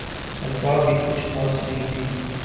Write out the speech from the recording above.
تنخواہ بھی کچھ خاص نہیں تھی ۔